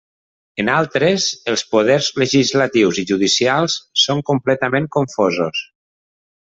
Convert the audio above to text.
En altres, els poders legislatius i judicials són completament confosos.